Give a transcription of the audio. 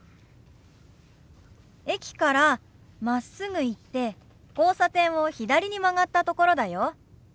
駅からまっすぐ行って交差点を左に曲がったところだよ。